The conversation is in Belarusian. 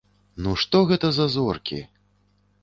Ну што гэта за зоркі!